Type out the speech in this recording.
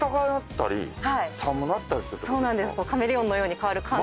そうなんです。